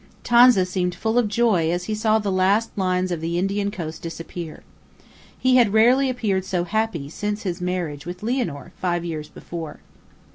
Tonza seemed full of joy as he saw the last lines of the Indian coast disappear. He had rarely appeared so happy since his marriage with Lianor five years before.